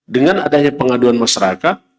dengan adanya pengaduan masyarakat